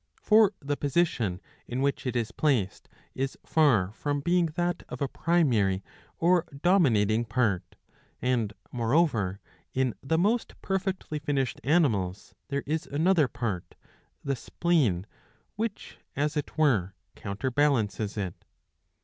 ''' For the position in which it is placed is far from being that of a primary or dominating part ; and moreover in the most perfectly finished animals there is another part, the spleen, which as it were counterbalances it.'